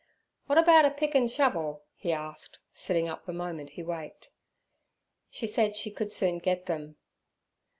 'W'at erbout a pick and shovel?' he asked, sitting up the moment he waked. She said she could soon get them.